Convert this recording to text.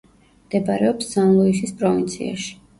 მდებარეობს სან-ლუისის პროვინციაში.